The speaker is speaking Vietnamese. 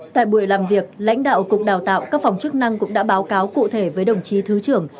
tại buổi làm việc lãnh đạo cục đào tạo các phòng chức năng cũng đã báo cáo cụ thể với đồng chí thứ trưởng